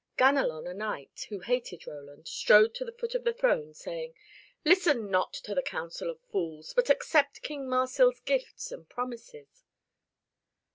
Ganelon a knight, who hated Roland, strode to the foot of the throne, saying, "Listen not to the counsel of fools but accept King Marsil's gifts and promises."